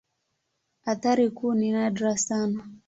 Athari kuu ni nadra sana.